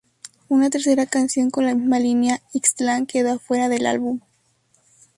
Una tercera canción en la misma línea, "Ixtlán", quedó afuera del álbum.